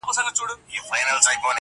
که یې لمبو دي ځالګۍ سوځلي!.